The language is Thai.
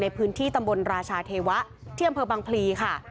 ในพื้นที่ตำบลราชาเทวะที่อำเภอบังพลีค่ะ